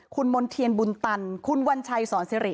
คุณมณ์เทียนบุญตันคุณวัญชัยสอนสิริ